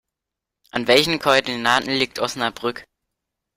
An welchen Koordinaten liegt Osnabrück?